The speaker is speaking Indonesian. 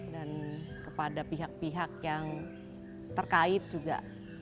dan kepada pihak pihak yang terkait juga